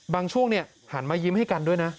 ช่วงหันมายิ้มให้กันด้วยนะ